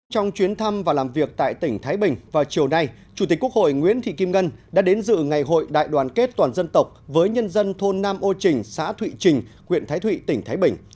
trong chuyến thăm và làm việc tại tỉnh thái bình vào chiều nay chủ tịch quốc hội nguyễn thị kim ngân đã đến dự ngày hội đại đoàn kết toàn dân tộc với nhân dân thôn nam ô trình xã thụy trình huyện thái thụy tỉnh thái bình